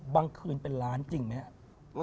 บางคืนเป็นล้านจริงไหมอะ